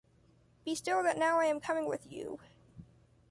Be still that now I am coming with you.